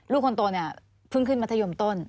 คนโตเนี่ยเพิ่งขึ้นมัธยมต้น